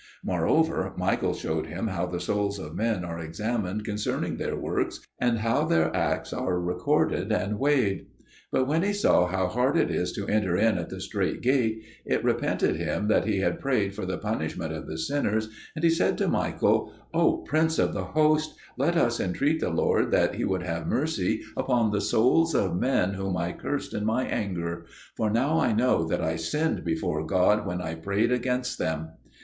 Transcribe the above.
Moreover, Michael showed him how the souls of men are examined concerning their works and how their acts are re corded and weighed. But when he saw how hard it is to enter in at the strait gate, it repented him that he had prayed for the punishment of the sinners, and he said to Michael, "O prince of the host, let us entreat the Lord that He would have mercy upon the souls of the men whom I cursed in my anger; for now I know that I sinned before God when I prayed against them."